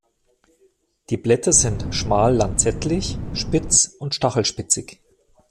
Die Blätter sind schmal lanzettlich, spitz und stachelspitzig.